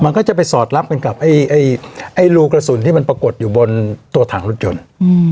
มันก็จะไปสอดรับกันกับไอ้รูกระสุนที่มันปรากฏอยู่บนตัวถังรถยนต์